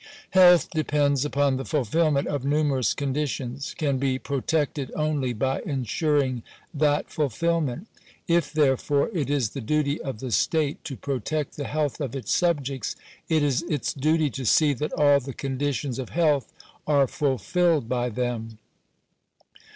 Health depends upon the fulfilment of numerous conditions — can be "protected" only by ensuring that fulfil ment : if, therefore, it is the duty of the state to protect the health of its subjects, it is its duty to see that all the condi tions of health are fulfilled by them.